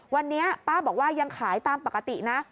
วันนี้ป้าบอกว่ายังขายตามปกตินะ